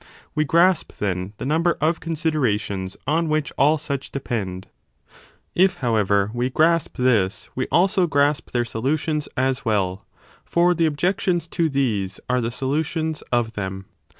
We grasp, then, the number of considerations on which all such depend : if, however, we grasp this, we also grasp their solutions as well ; for the objections to these 5 are the solutions of them.